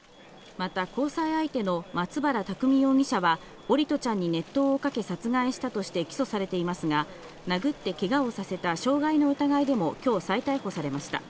また交際相手の松原拓海容疑者は、桜利斗ちゃんに熱湯をかけ殺害したとして起訴されていますが、殴ってけがをさせた傷害の疑いでも今日、再逮捕されました。